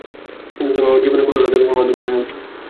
কিন্ত তুমি আমার জীবনের কঠোরতা ভেঙ্গে মধ্যমণি হয়ে উঠলে।